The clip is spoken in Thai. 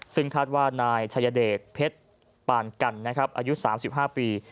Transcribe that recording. ซึ่งคาดว่านายชายเดชเพชรปานกันนะครับอายุ๓๕ปี